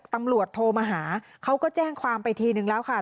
ตำรวจโทรมาหาเขาก็แจ้งความไปทีนึงแล้วค่ะ